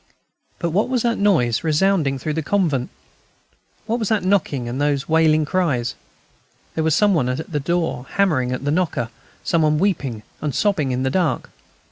But what was that noise resounding through the convent? What was that knocking and those wailing cries? There was some one at the door, hammering at the knocker, some one weeping and sobbing in the dark.